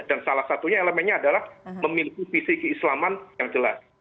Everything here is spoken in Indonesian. dan salah satunya elemennya adalah memiliki visi keislaman yang jelas